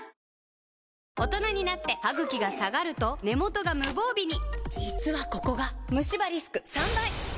大人になってハグキが下がると根元が無防備に実はここがムシ歯リスク３倍！